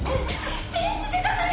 信じてたのに！